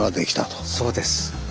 そうです。